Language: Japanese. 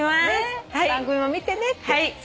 番組も見てねって。